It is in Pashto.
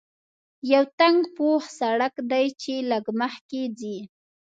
یو تنګ پوخ سړک دی چې لږ مخکې ځې.